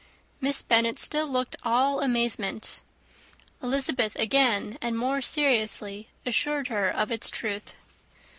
Miss Bennet still looked all amazement. Elizabeth again, and more seriously, assured her of its truth.